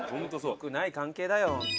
よくない関係だよ。